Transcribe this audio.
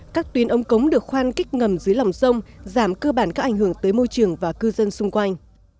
các tuyến ống cống được khoan kích ngầm dưới lòng sông giảm cơ bản các ảnh hưởng tới môi trường và cư dân xung quanh